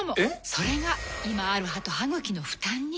それが今ある歯と歯ぐきの負担に。